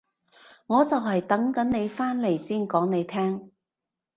我就係等緊你返嚟先講你聽